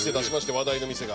話題の店が。